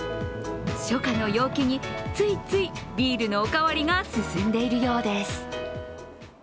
初夏の陽気についついビールのお代わりが進んでいるようです。